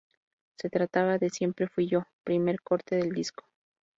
Se trataba de "Siempre fui yo", primer corte del disco.